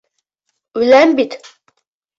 Үләм бит...